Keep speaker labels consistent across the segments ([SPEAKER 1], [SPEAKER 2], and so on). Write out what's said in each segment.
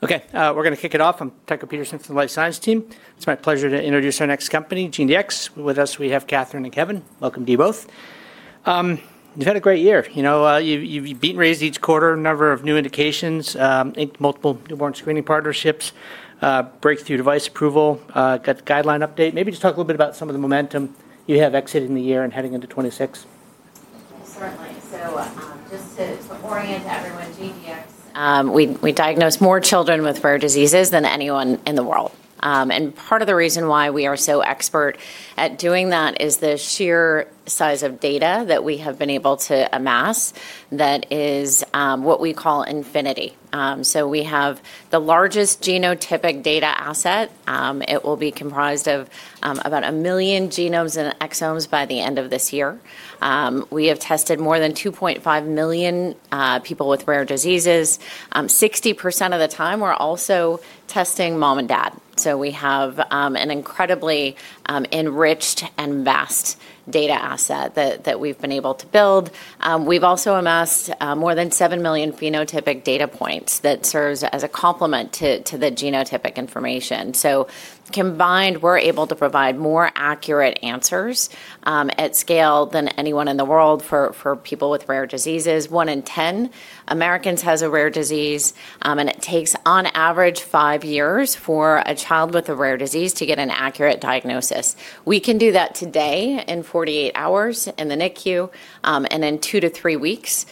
[SPEAKER 1] Okay, we're going to kick it off. I'm Tucker Peterson from the Life Science Team. It's my pleasure to introduce our next company, GeneDx. With us, we have Katherine and Kevin. Welcome to you both. You've had a great year. You've beaten rays each quarter, a number of new indications, multiple newborn screening partnerships, breakthrough device approval, got the guideline update. Maybe just talk a little bit about some of the momentum you have exiting the year and heading into 2026.
[SPEAKER 2] Certainly. Just to orient everyone, GeneDx, we diagnose more children with rare diseases than anyone in the world. Part of the reason why we are so expert at doing that is the sheer size of data that we have been able to amass that is what we call infinity. We have the largest genotypic data asset. It will be comprised of about 1 million genomes and exomes by the end of this year. We have tested more than 2.5 million people with rare diseases. 60% of the time, we're also testing mom and dad. We have an incredibly enriched and vast data asset that we've been able to build. We've also amassed more than 7 million phenotypic data points that serve as a complement to the genotypic information. Combined, we're able to provide more accurate answers at scale than anyone in the world for people with rare diseases. One in 10 Americans has a rare disease, and it takes on average five years for a child with a rare disease to get an accurate diagnosis. We can do that today in 48 hours in the NICU and in two to three weeks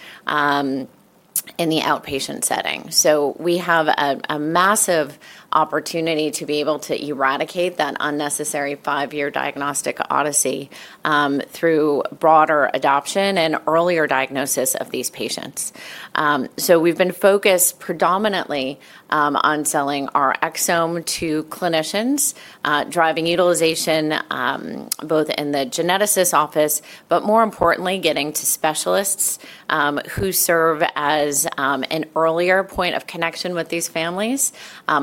[SPEAKER 2] in the outpatient setting. We have a massive opportunity to be able to eradicate that unnecessary five-year diagnostic odyssey through broader adoption and earlier diagnosis of these patients. We've been focused predominantly on selling our exome to clinicians, driving utilization both in the geneticist's office, but more importantly, getting to specialists who serve as an earlier point of connection with these families.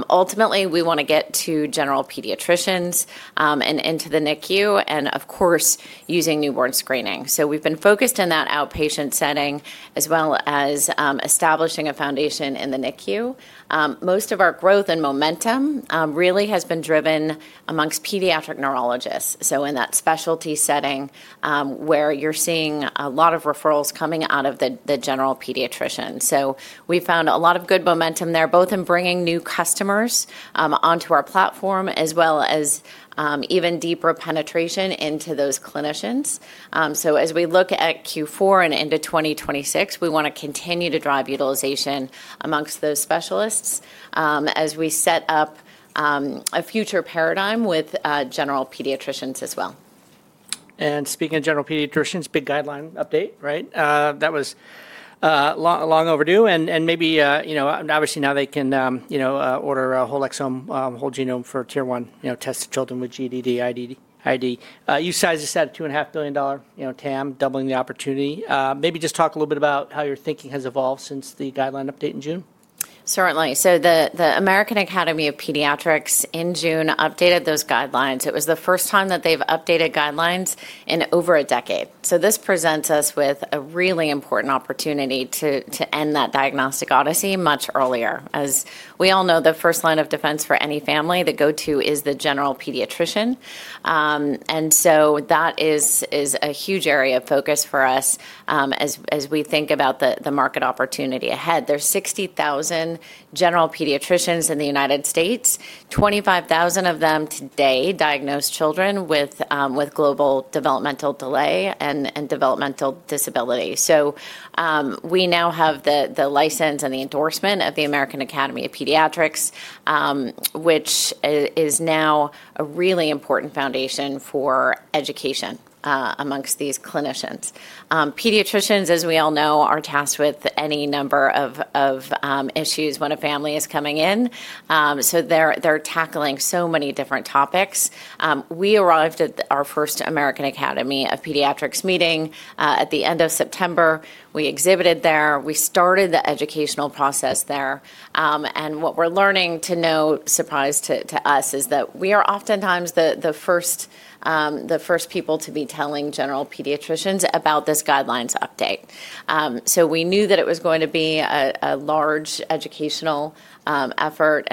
[SPEAKER 2] Ultimately, we want to get to general pediatricians and into the NICU and, of course, using newborn screening. We have been focused in that outpatient setting as well as establishing a foundation in the NICU. Most of our growth and momentum really has been driven amongst pediatric neurologists. In that specialty setting where you are seeing a lot of referrals coming out of the general pediatrician, we found a lot of good momentum there, both in bringing new customers onto our platform as well as even deeper penetration into those clinicians. As we look at Q4 and into 2026, we want to continue to drive utilization amongst those specialists as we set up a future paradigm with general pediatricians as well.
[SPEAKER 1] Speaking of general pediatricians, big guideline update, right? That was long overdue. Maybe obviously now they can order a whole exome, whole genome for tier one tests to children with GDD, IDD. You sized this at a $2.5 billion TAM, doubling the opportunity. Maybe just talk a little bit about how your thinking has evolved since the guideline update in June.
[SPEAKER 2] Certainly. The American Academy of Pediatrics in June updated those guidelines. It was the first time that they've updated guidelines in over a decade. This presents us with a really important opportunity to end that diagnostic odyssey much earlier. As we all know, the first line of defense for any family to go to is the general pediatrician. That is a huge area of focus for us as we think about the market opportunity ahead. There are 60,000 general pediatricians in the United States, 25,000 of them today diagnose children with global developmental delay and developmental disability. We now have the license and the endorsement of the American Academy of Pediatrics, which is now a really important foundation for education amongst these clinicians. Pediatricians, as we all know, are tasked with any number of issues when a family is coming in. They're tackling so many different topics. We arrived at our first American Academy of Pediatrics meeting at the end of September. We exhibited there. We started the educational process there. What we're learning to note, surprised to us, is that we are oftentimes the first people to be telling general pediatricians about this guidelines update. We knew that it was going to be a large educational effort.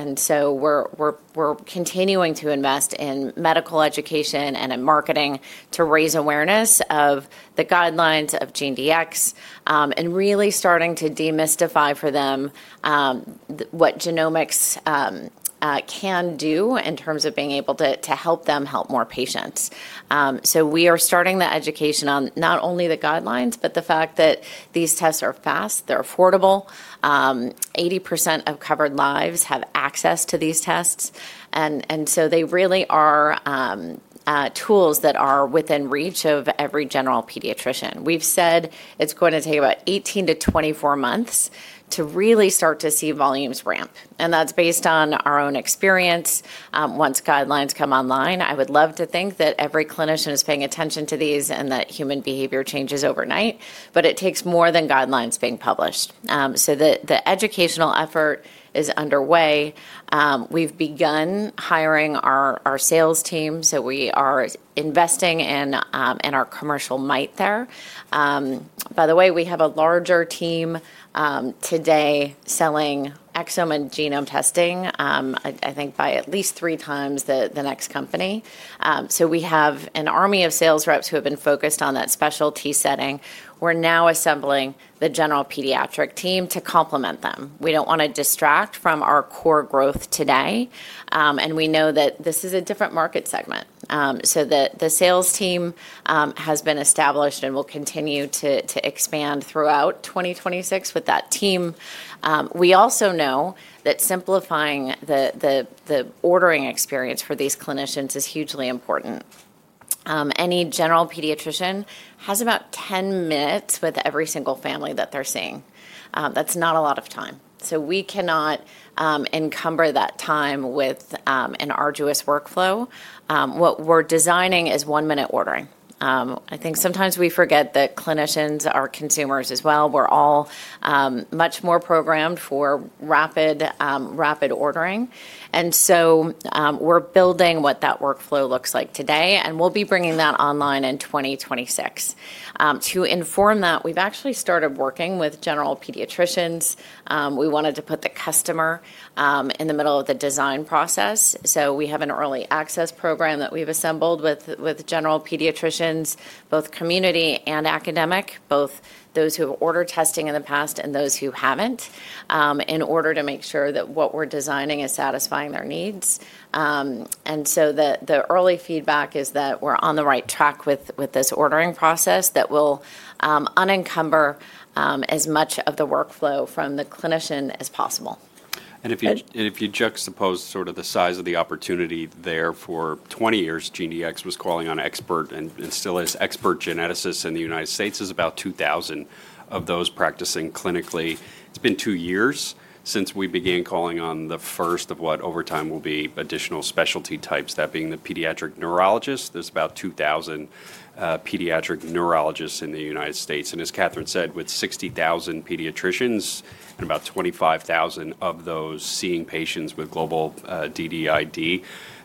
[SPEAKER 2] We're continuing to invest in medical education and in marketing to raise awareness of the guidelines of GeneDx and really starting to demystify for them what genomics can do in terms of being able to help them help more patients. We are starting the education on not only the guidelines, but the fact that these tests are fast, they're affordable. 80% of covered lives have access to these tests. They really are tools that are within reach of every general pediatrician. We've said it's going to take about 18-24 months to really start to see volumes ramp. That's based on our own experience. Once guidelines come online, I would love to think that every clinician is paying attention to these and that human behavior changes overnight. It takes more than guidelines being published. The educational effort is underway. We've begun hiring our sales team. We are investing in our commercial might there. By the way, we have a larger team today selling exome and genome testing, I think by at least three times the next company. We have an army of sales reps who have been focused on that specialty setting. We're now assembling the general pediatric team to complement them. We don't want to distract from our core growth today. We know that this is a different market segment. The sales team has been established and will continue to expand throughout 2026 with that team. We also know that simplifying the ordering experience for these clinicians is hugely important. Any general pediatrician has about 10 minutes with every single family that they're seeing. That's not a lot of time. We cannot encumber that time with an arduous workflow. What we're designing is one-minute ordering. I think sometimes we forget that clinicians are consumers as well. We're all much more programmed for rapid ordering. We're building what that workflow looks like today. We will be bringing that online in 2026. To inform that, we've actually started working with general pediatricians. We wanted to put the customer in the middle of the design process. We have an early access program that we've assembled with general pediatricians, both community and academic, both those who have ordered testing in the past and those who haven't, in order to make sure that what we're designing is satisfying their needs. The early feedback is that we're on the right track with this ordering process that will unencumber as much of the workflow from the clinician as possible.
[SPEAKER 3] If you juxtapose sort of the size of the opportunity there, for 20 years, GeneDx was calling on expert and still is expert geneticists in the United States. There are about 2,000 of those practicing clinically. It has been two years since we began calling on the first of what over time will be additional specialty types, that being the pediatric neurologist. There are about 2,000 pediatric neurologists in the United States. As Katherine said, with 60,000 pediatricians and about 25,000 of those seeing patients with global DDID,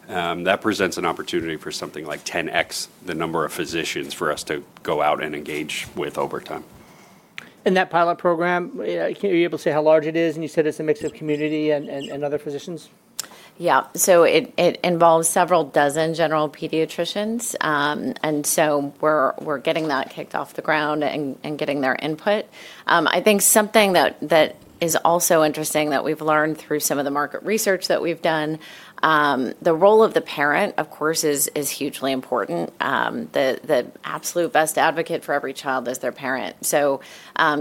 [SPEAKER 3] that presents an opportunity for something like 10X the number of physicians for us to go out and engage with over time.
[SPEAKER 1] That pilot program, are you able to say how large it is? You said it's a mix of community and other physicians?
[SPEAKER 2] Yeah. It involves several dozen general pediatricians. We are getting that kicked off the ground and getting their input. I think something that is also interesting that we have learned through some of the market research that we have done, the role of the parent, of course, is hugely important. The absolute best advocate for every child is their parent.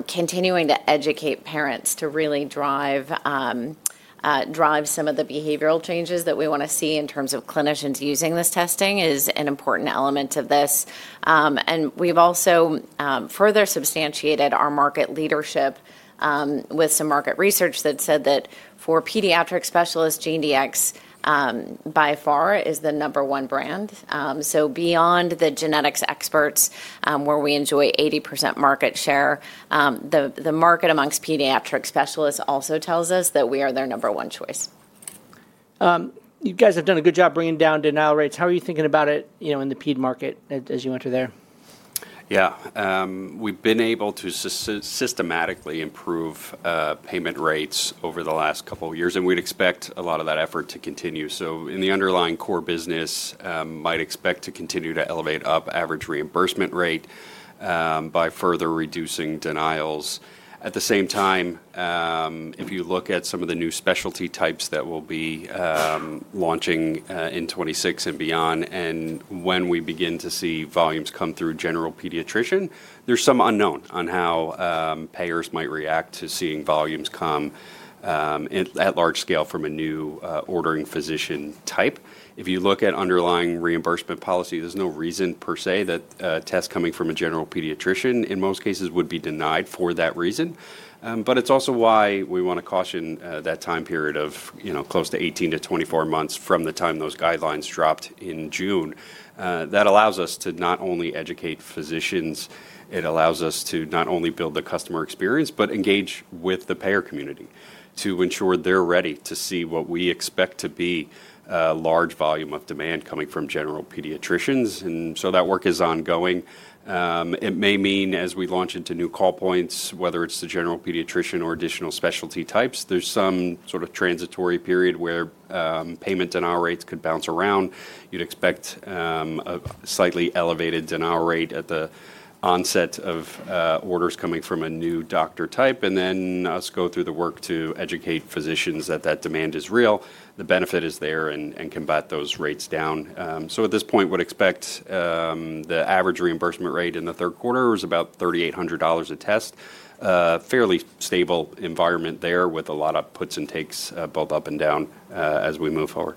[SPEAKER 2] Continuing to educate parents to really drive some of the behavioral changes that we want to see in terms of clinicians using this testing is an important element of this. We have also further substantiated our market leadership with some market research that said that for pediatric specialists, GeneDx by far is the number one brand. Beyond the genetics experts, where we enjoy 80% market share, the market amongst pediatric specialists also tells us that we are their number one choice.
[SPEAKER 1] You guys have done a good job bringing down denial rates. How are you thinking about it in the ped market as you enter there?
[SPEAKER 3] Yeah. We've been able to systematically improve payment rates over the last couple of years. We'd expect a lot of that effort to continue. In the underlying core business, might expect to continue to elevate up average reimbursement rate by further reducing denials. At the same time, if you look at some of the new specialty types that will be launching in 2026 and beyond, and when we begin to see volumes come through general pediatrician, there's some unknown on how payers might react to seeing volumes come at large scale from a new ordering physician type. If you look at underlying reimbursement policy, there's no reason per se that tests coming from a general pediatrician in most cases would be denied for that reason. It is also why we want to caution that time period of close to 18-24 months from the time those guidelines dropped in June. That allows us to not only educate physicians, it allows us to not only build the customer experience, but engage with the payer community to ensure they are ready to see what we expect to be a large volume of demand coming from general pediatricians. That work is ongoing. It may mean as we launch into new call points, whether it is the general pediatrician or additional specialty types, there is some sort of transitory period where payment denial rates could bounce around. You would expect a slightly elevated denial rate at the onset of orders coming from a new doctor type. Then we go through the work to educate physicians that that demand is real, the benefit is there, and combat those rates down. At this point, we'd expect the average reimbursement rate in the third quarter is about $3,800 a test. Fairly stable environment there with a lot of puts and takes both up and down as we move forward.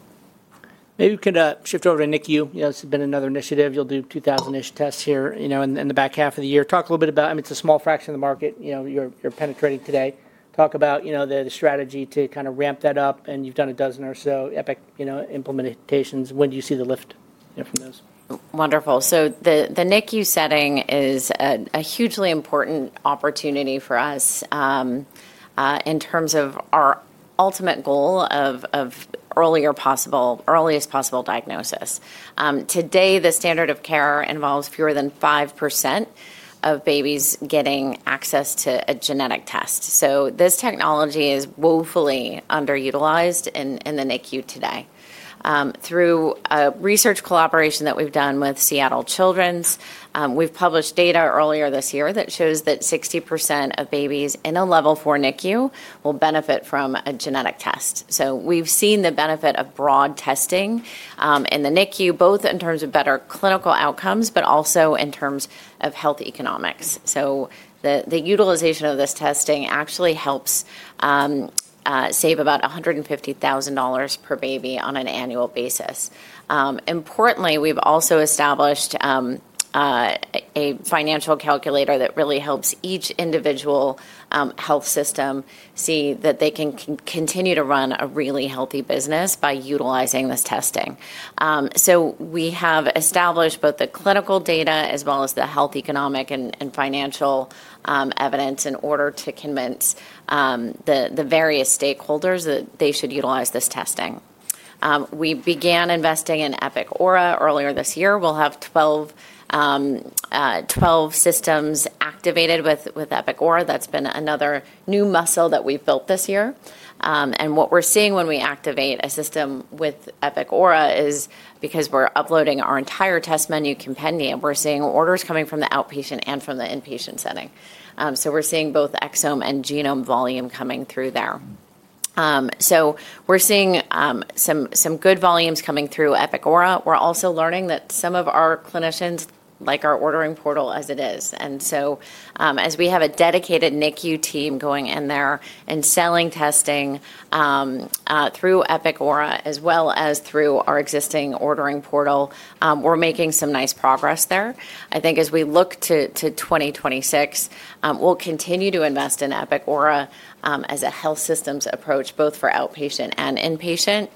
[SPEAKER 1] Maybe we could shift over to NICU. This has been another initiative. You'll do 2,000-ish tests here in the back half of the year. Talk a little bit about, I mean, it's a small fraction of the market you're penetrating today. Talk about the strategy to kind of ramp that up. You've done a dozen or so Epic implementations. When do you see the lift from those?
[SPEAKER 2] Wonderful. The NICU setting is a hugely important opportunity for us in terms of our ultimate goal of earliest possible diagnosis. Today, the standard of care involves fewer than 5% of babies getting access to a genetic test. This technology is woefully underutilized in the NICU today. Through a research collaboration that we've done with Seattle Children's, we've published data earlier this year that shows that 60% of babies in a level four NICU will benefit from a genetic test. We've seen the benefit of broad testing in the NICU, both in terms of better clinical outcomes, but also in terms of health economics. The utilization of this testing actually helps save about $150,000 per baby on an annual basis. Importantly, we've also established a financial calculator that really helps each individual health system see that they can continue to run a really healthy business by utilizing this testing. We have established both the clinical data as well as the health economic and financial evidence in order to convince the various stakeholders that they should utilize this testing. We began investing in Epic Aura earlier this year. We'll have 12 systems activated with Epic Aura. That's been another new muscle that we've built this year. What we're seeing when we activate a system with Epic Aura is because we're uploading our entire test menu compendium. We're seeing orders coming from the outpatient and from the inpatient setting. We're seeing both exome and genome volume coming through there. We're seeing some good volumes coming through Epic Aura. We're also learning that some of our clinicians like our ordering portal as it is. As we have a dedicated NICU team going in there and selling testing through Epic Aura as well as through our existing ordering portal, we're making some nice progress there. I think as we look to 2026, we'll continue to invest in Epic Aura as a health systems approach, both for outpatient and inpatient.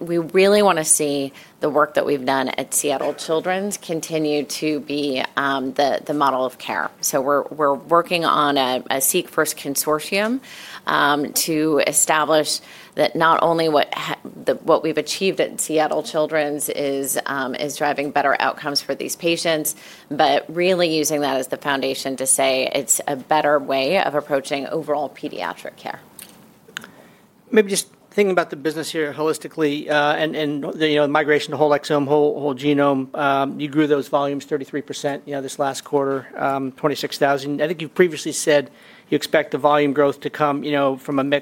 [SPEAKER 2] We really want to see the work that we've done at Seattle Children's continue to be the model of care. We're working on a SeqFirst consortium to establish that not only what we've achieved at Seattle Children's is driving better outcomes for these patients, but really using that as the foundation to say it's a better way of approaching overall pediatric care.
[SPEAKER 1] Maybe just thinking about the business here holistically and the migration, the whole exome, whole genome, you grew those volumes 33% this last quarter, 26,000. I think you previously said you expect the volume growth to come from a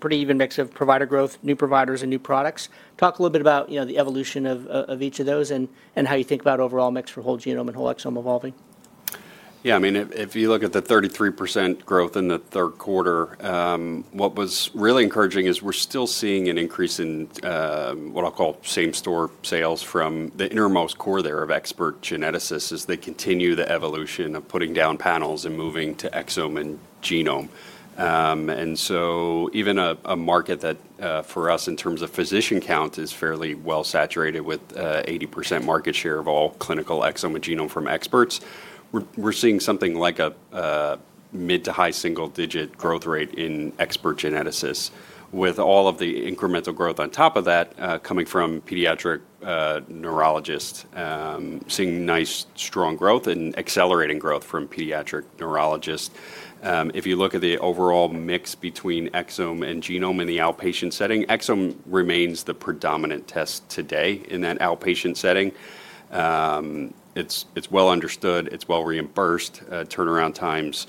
[SPEAKER 1] pretty even mix of provider growth, new providers, and new products. Talk a little bit about the evolution of each of those and how you think about overall mix for whole genome and whole exome evolving.
[SPEAKER 3] Yeah. I mean, if you look at the 33% growth in the third quarter, what was really encouraging is we're still seeing an increase in what I'll call same-store sales from the innermost core there of expert geneticists as they continue the evolution of putting down panels and moving to exome and genome. Even a market that for us in terms of physician count is fairly well saturated with 80% market share of all clinical exome and genome from experts, we're seeing something like a mid to high single-digit growth rate in expert geneticists, with all of the incremental growth on top of that coming from pediatric neurologists, seeing nice strong growth and accelerating growth from pediatric neurologists. If you look at the overall mix between exome and genome in the outpatient setting, exome remains the predominant test today in that outpatient setting. It's well understood. It's well reimbursed. Turnaround times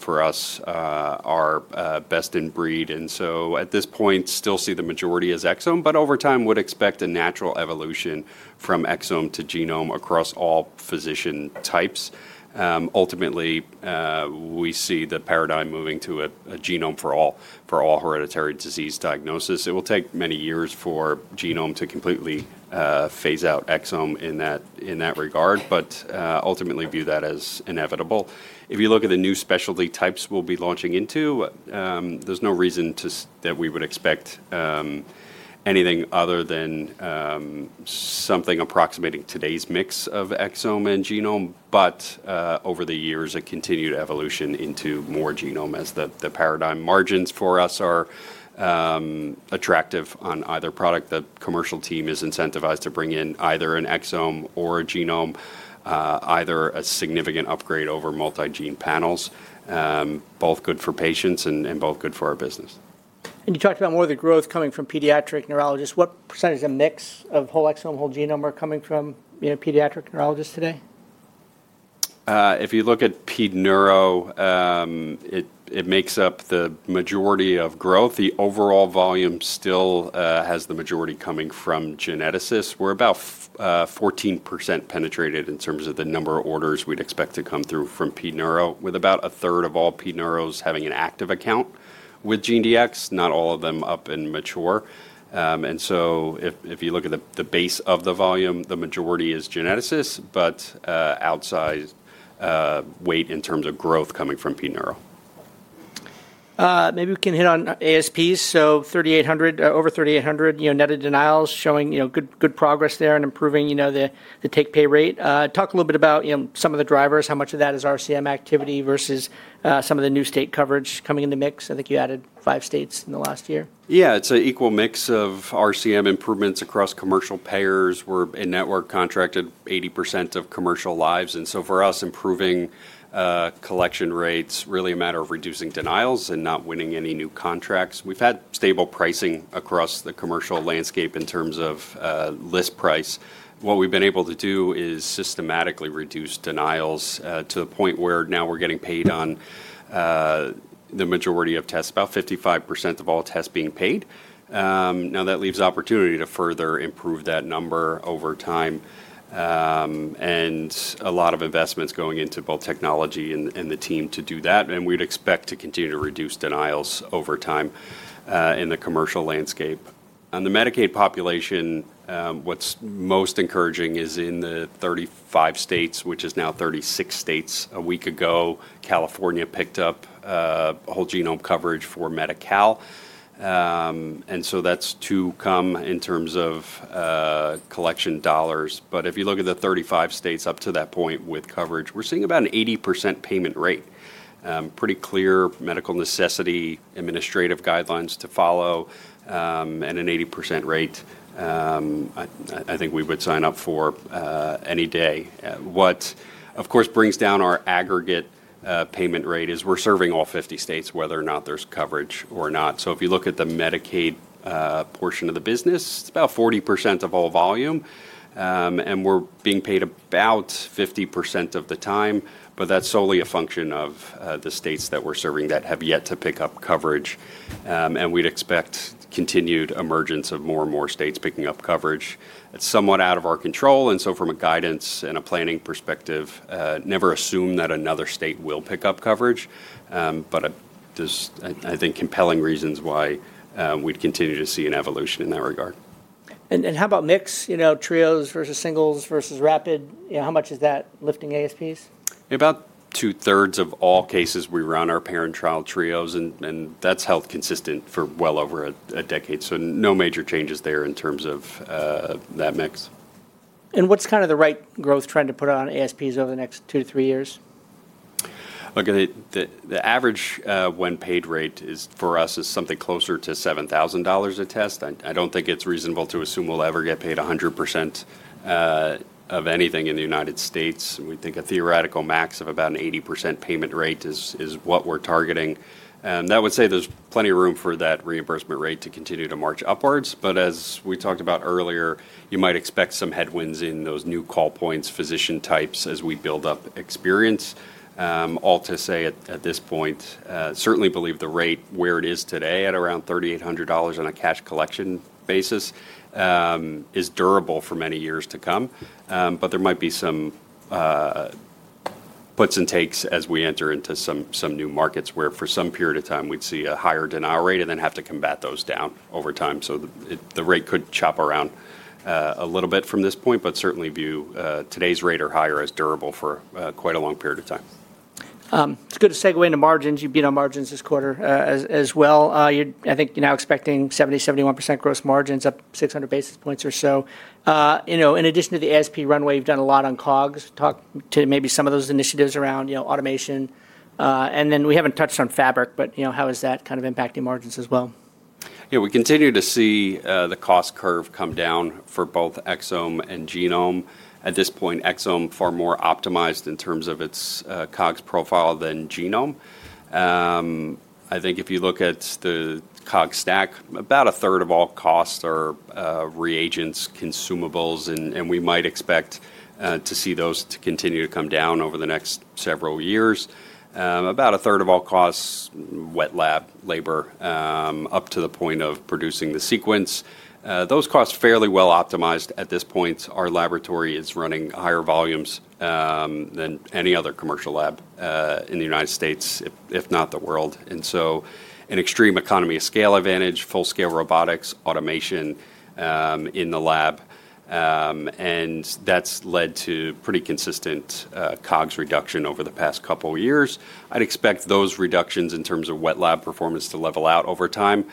[SPEAKER 3] for us are best in breed. At this point, still see the majority as exome, but over time would expect a natural evolution from exome to genome across all physician types. Ultimately, we see the paradigm moving to a genome for all hereditary disease diagnosis. It will take many years for genome to completely phase out exome in that regard, but ultimately view that as inevitable. If you look at the new specialty types we'll be launching into, there's no reason that we would expect anything other than something approximating today's mix of exome and genome, but over the years, a continued evolution into more genome as the paradigm. Margins for us are attractive on either product. The commercial team is incentivized to bring in either an exome or genome, either a significant upgrade over multi-gene panels, both good for patients and both good for our business.
[SPEAKER 1] You talked about more of the growth coming from pediatric neurologists. What percentage of mix of whole exome, whole genome are coming from pediatric neurologists today?
[SPEAKER 3] If you look at ped neuro, it makes up the majority of growth. The overall volume still has the majority coming from geneticists. We're about 14% penetrated in terms of the number of orders we'd expect to come through from ped neuro, with about a third of all ped neuros having an active account with GeneDx, not all of them up and mature. If you look at the base of the volume, the majority is geneticists, but outsized weight in terms of growth coming from ped neuro.
[SPEAKER 1] Maybe we can hit on ASPs. Over 3,800 netted denials showing good progress there and improving the take-pay rate. Talk a little bit about some of the drivers, how much of that is RCM activity versus some of the new state coverage coming in the mix. I think you added five states in the last year.
[SPEAKER 3] Yeah. It's an equal mix of RCM improvements across commercial payers. We're a network contracted 80% of commercial lives. For us, improving collection rates is really a matter of reducing denials and not winning any new contracts. We've had stable pricing across the commercial landscape in terms of list price. What we've been able to do is systematically reduce denials to the point where now we're getting paid on the majority of tests, about 55% of all tests being paid. That leaves opportunity to further improve that number over time and a lot of investments going into both technology and the team to do that. We'd expect to continue to reduce denials over time in the commercial landscape. On the Medicaid population, what's most encouraging is in the 35 states, which is now 36 states. A week ago, California picked up whole genome coverage for Medi-Cal. That is to come in terms of collection dollars. If you look at the 35 states up to that point with coverage, we're seeing about an 80% payment rate, pretty clear medical necessity, administrative guidelines to follow, and an 80% rate I think we would sign up for any day. What, of course, brings down our aggregate payment rate is we're serving all 50 states, whether or not there's coverage. If you look at the Medicaid portion of the business, it's about 40% of all volume. We're being paid about 50% of the time, but that's solely a function of the states that we're serving that have yet to pick up coverage. We'd expect continued emergence of more and more states picking up coverage. It's somewhat out of our control. From a guidance and a planning perspective, never assume that another state will pick up coverage. There's, I think, compelling reasons why we'd continue to see an evolution in that regard.
[SPEAKER 1] How about mix? Trios versus singles versus rapid? How much is that lifting ASPs?
[SPEAKER 3] About two-thirds of all cases we run are parent-child trios, and that's held consistent for well over a decade. No major changes there in terms of that mix.
[SPEAKER 1] What's kind of the right growth trend to put on ASPs over the next two to three years?
[SPEAKER 3] The average when-paid rate for us is something closer to $7,000 a test. I don't think it's reasonable to assume we'll ever get paid 100% of anything in the United States. We think a theoretical max of about an 80% payment rate is what we're targeting. That would say there's plenty of room for that reimbursement rate to continue to march upwards. As we talked about earlier, you might expect some headwinds in those new call points, physician types as we build up experience. All to say at this point, certainly believe the rate where it is today at around $3,800 on a cash collection basis is durable for many years to come. There might be some puts and takes as we enter into some new markets where for some period of time we'd see a higher denial rate and then have to combat those down over time. The rate could chop around a little bit from this point, but certainly view today's rate or higher as durable for quite a long period of time.
[SPEAKER 1] It's a good segue into margins. You've been on margins this quarter as well. I think you're now expecting 70-71% gross margins, up 600 basis points or so. In addition to the ASP runway, you've done a lot on COGS. Talk to maybe some of those initiatives around automation. We haven't touched on Fabric, but how is that kind of impacting margins as well?
[SPEAKER 3] Yeah. We continue to see the cost curve come down for both exome and genome. At this point, exome far more optimized in terms of its COGS profile than genome. I think if you look at the COGS stack, about a third of all costs are reagents, consumables, and we might expect to see those continue to come down over the next several years. About a third of all costs wet lab labor up to the point of producing the sequence. Those costs fairly well optimized at this point. Our laboratory is running higher volumes than any other commercial lab in the United States, if not the world. An extreme economy scale advantage, full-scale robotics, automation in the lab. That has led to pretty consistent COGS reduction over the past couple of years. I'd expect those reductions in terms of wet lab performance to level out over time.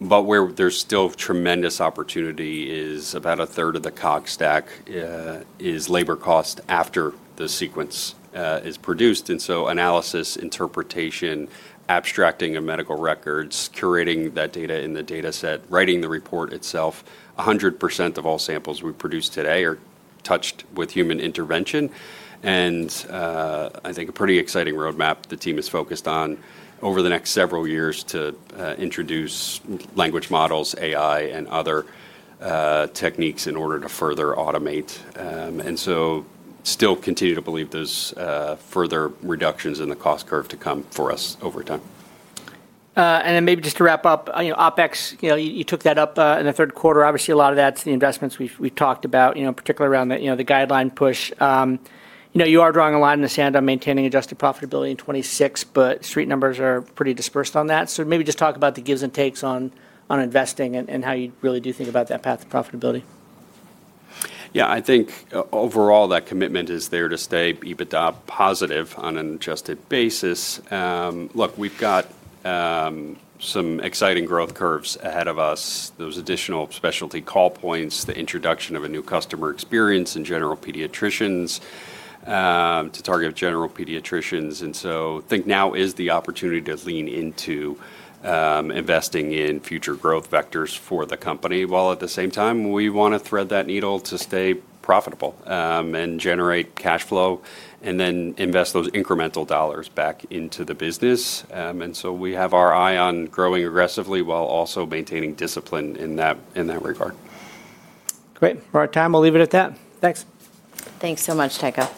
[SPEAKER 3] Where there's still tremendous opportunity is about a third of the COGS stack is labor cost after the sequence is produced. Analysis, interpretation, abstracting of medical records, curating that data in the dataset, writing the report itself, 100% of all samples we produce today are touched with human intervention. I think a pretty exciting roadmap the team is focused on over the next several years to introduce language models, AI, and other techniques in order to further automate. I still continue to believe there's further reductions in the cost curve to come for us over time.
[SPEAKER 1] Maybe just to wrap up, OpEx, you took that up in the third quarter. Obviously, a lot of that's the investments we've talked about, particularly around the guideline push. You are drawing a line in the sand on maintaining adjusted profitability in 2026, but street numbers are pretty dispersed on that. Maybe just talk about the gives and takes on investing and how you really do think about that path of profitability.
[SPEAKER 3] Yeah. I think overall that commitment is there to stay EBITDA positive on an adjusted basis. Look, we've got some exciting growth curves ahead of us. Those additional specialty call points, the introduction of a new customer experience in general pediatricians to target general pediatricians. I think now is the opportunity to lean into investing in future growth vectors for the company while at the same time we want to thread that needle to stay profitable and generate cash flow and then invest those incremental dollars back into the business. We have our eye on growing aggressively while also maintaining discipline in that regard.
[SPEAKER 1] Great. For our time, we'll leave it at that. Thanks.
[SPEAKER 2] Thanks so much, Tucker.